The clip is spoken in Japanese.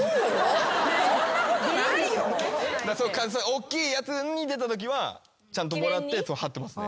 おっきいやつに出たときはちゃんともらって張ってますね。